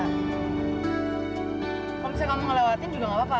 kalau misalnya kamu ngelewatin juga gak apa apa